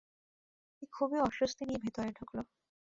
লোকটি খুবই অস্বস্তি নিয়ে ভেতরে ঢুকল।